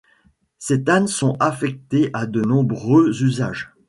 Ces tannes sont affectés à de nombreux usages.